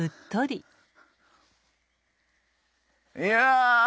いや！